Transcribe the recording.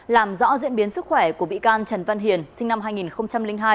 làm rõ diễn biến sức khỏe của bị can trần văn hiền sinh năm hai nghìn hai